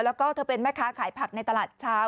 แล้วก็เธอเป็นแม่ค้าขายผักในตลาดเช้า